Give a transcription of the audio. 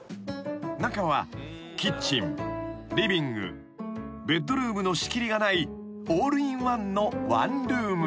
［中はキッチンリビングベッドルームの仕切りがないオールインワンのワンルーム］